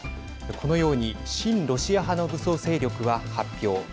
このように親ロシア派の武装勢力は発表。